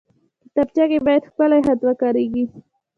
کتابچه کې باید ښکلی خط وکارېږي